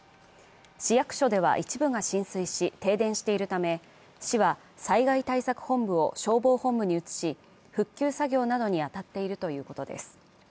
市役所では一部が浸水し停電しているため、市は災害対策本部を消防本部に移し復旧作業に当たっているということです。